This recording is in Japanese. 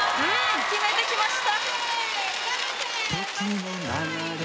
決めてきました！